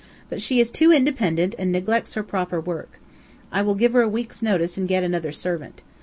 But she is too independent, and neglects her proper work. I will give her a week's notice and get another servant.